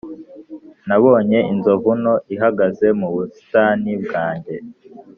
nabonye inzovu nto ihagaze mu busitani bwanjye,